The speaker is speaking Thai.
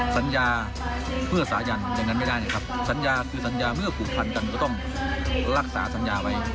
สัญญาเพื่อสายันอย่างนั้นไม่ได้นะครับสัญญาคือสัญญาเมื่อผูกพันกันก็ต้องรักษาสัญญาไว้